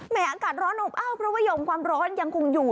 อากาศร้อนอบอ้าวเพราะว่ายอมความร้อนยังคงอยู่